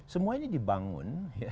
semua ini dibangun